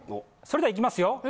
それではいきますよ